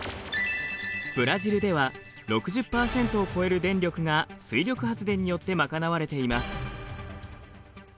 ブラジルでは６０％を超える電力が水力発電によって賄われています。